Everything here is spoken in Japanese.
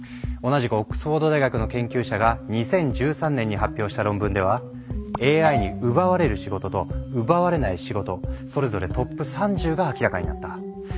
同じくオックスフォード大学の研究者が２０１３年に発表した論文ではＡＩに奪われる仕事と奪われない仕事それぞれトップ３０が明らかになった。